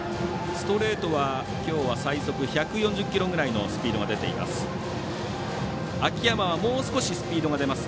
ストレートは、きょうは最速１４０キロぐらいのスピードが出ています。